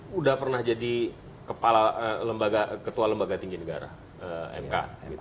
sudah pernah jadi ketua lembaga tinggi negara mk